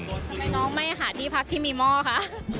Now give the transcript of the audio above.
ทำไมน้องไม่หาที่พักที่มีหม้อคะ